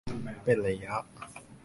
เป็นระยะ